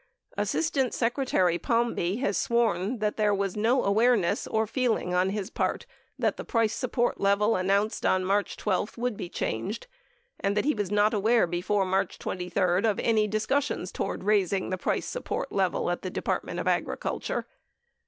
Assistant Secretary Palmby has sworn that there was no awareness or feeling on his part that the price support level announced on March 12 would be changed and that he was not aware before March 23 of any discussions toward raising the price support level at the Depart ment of Agriculture.